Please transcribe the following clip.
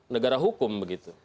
negara hukum begitu